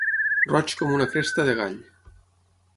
Roig com una cresta de gall.